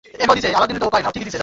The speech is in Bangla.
তারা এ ব্যাপারে সিদ্ধান্ত নেবে।